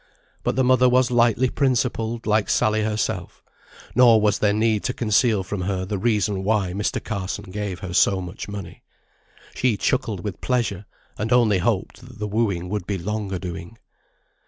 But the mother was lightly principled like Sally herself; nor was there need to conceal from her the reason why Mr. Carson gave her so much money. She chuckled with pleasure, and only hoped that the wooing would be long a doing.